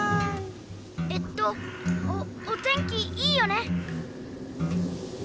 「えっと、お、お天気いいよね」